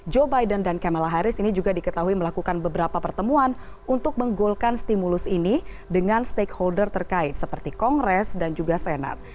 joe biden dan kamala harris ini juga diketahui melakukan beberapa pertemuan untuk menggolkan stimulus ini dengan stakeholder terkait seperti kongres dan juga senat